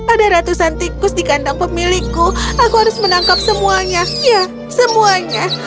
ada ratusan tikus di kandang pemilikku aku harus menangkap semuanya ya semuanya